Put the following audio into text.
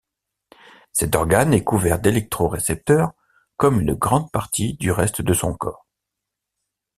Cet organe est couvert d'électro-récepteurs, comme une grande partie du reste de son corps.